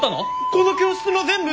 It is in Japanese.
この教室の全部！？